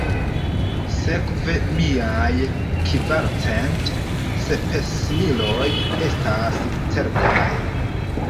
Sekve miaj kvarcent spesmiloj estas certaj?